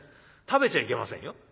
食べちゃいけませんよ。